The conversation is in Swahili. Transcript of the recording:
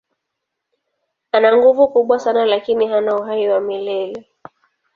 Ana nguvu kubwa sana lakini hana uhai wa milele.